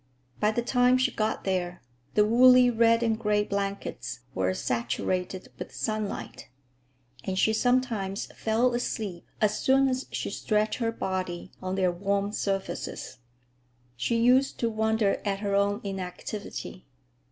By the time she got there, the woolly red and gray blankets were saturated with sunlight, and she sometimes fell asleep as soon as she stretched her body on their warm surfaces. She used to wonder at her own inactivity.